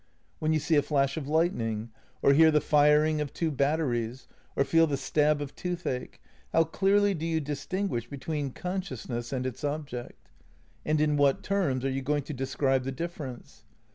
When you see a flash of lightning, or hear the firing of two batteries, or feel the stab of toothache, how clearly do you dis tinguish between consciousness and its object? And in what terms are you going to describe the difference?